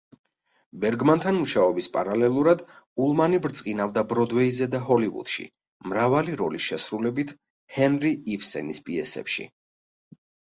ბერგმანთან მუშაობის პარალელურად, ულმანი ბრწყინავდა ბროდვეიზე და ჰოლივუდში, მრავალი როლის შესრულებით ჰენრი იბსენის პიესებში.